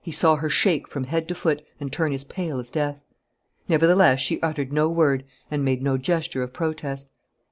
He saw her shake from head to foot and turn as pale as death. Nevertheless, she uttered no word and made no gesture of protest.